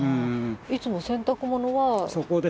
いつも洗濯物は？